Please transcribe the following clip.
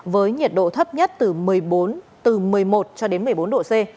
với nhiệt độ thấp nhất từ một mươi một cho đến một mươi bốn độ c